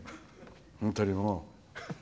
本当にもう！